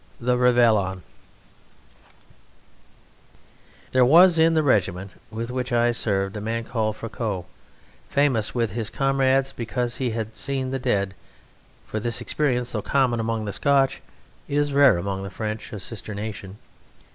The Reveillon There was in the regiment with which I served a man called Frocot, famous with his comrades because he had seen The Dead, for this experience, though common among the Scotch, is rare among the French, a sister nation.